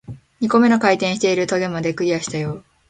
二個目の回転している棘まで、クリアしたよ